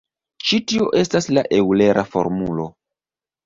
Ĉi tio estas la eŭlera formulo.